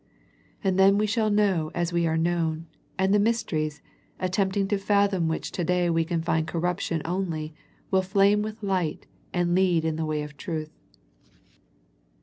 And then we shall know as we are known, and the mysteries, attempting to fathom which to day we can find corruption only, will flame with light, and lead in the way of truth.